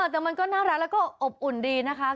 แต่มันก็น่ารักแล้วก็อบอุ่นดีนะคะ